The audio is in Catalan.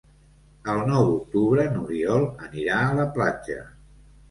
El nou d'octubre n'Oriol anirà a la platja.